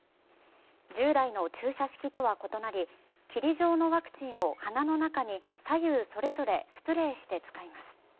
従来の注射式とは異なり霧状のワクチンを鼻の中に左右それぞれスプレーして使います。